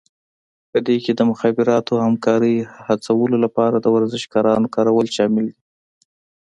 په دې کې د مخابراتو او همکارۍ هڅولو لپاره د ورزشکارانو کارول شامل دي